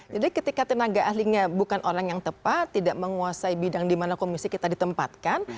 jadi ketika tenaga ahlinya bukan orang yang tepat tidak menguasai bidang di mana komisi kita ditempatkan